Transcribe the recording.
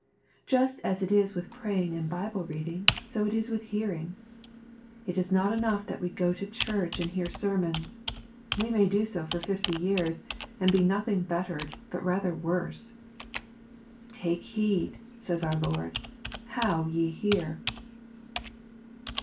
— Just as it is with praying and Bible Beading, so it is with hearing. It is not enough that we go'to Church and hear sermons. We may do so for fifty years, and " be nothing bettered, but rather worse." " Take heed," says our Lord, "how ye hear."